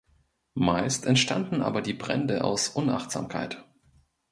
Meist entstanden aber die Brände aus Unachtsamkeit.